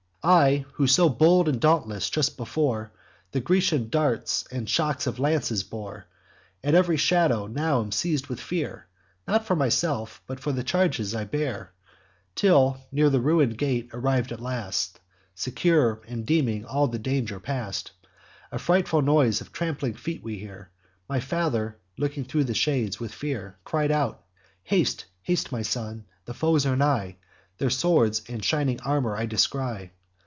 I, who so bold and dauntless just before, The Grecian darts and shock of lances bore, At ev'ry shadow now am seiz'd with fear, Not for myself, but for the charge I bear; Till, near the ruin'd gate arriv'd at last, Secure, and deeming all the danger past, A frightful noise of trampling feet we hear. My father, looking thro' the shades, with fear, Cried out: 'Haste, haste, my son, the foes are nigh; Their swords and shining armour I descry.